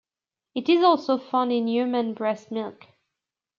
It is also found in human breast milk.